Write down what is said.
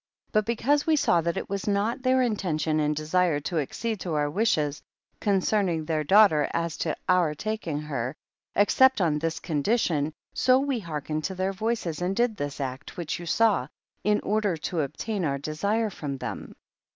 16. But because we saw that it was not their intention and desire to accede to our wishes concerning their daughter as to our taking her, except on this condition, so we hearkened to their voices and did this act which you saw, in order to obtain our desire from them.